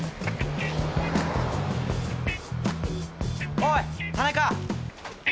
・おい田中。